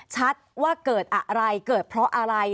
ชัดว่าเกิดอะไรเกิดเพราะอะไร